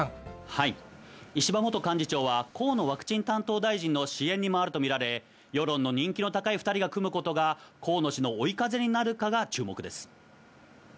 石破元幹事長は、河野ワクチン担当大臣の支援に回ると見られ、世論の人気の高い２人が組むことが、河野氏の追い風になるかが注目です。